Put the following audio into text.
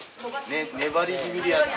ね粘り気味でやって。